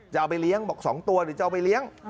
จะเอาไปเลี้ยงบอก๒ตัวหรือจะเอาไปเลี้ยง